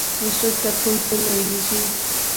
نصرت تے پُھل پُھل ہوئی نی سی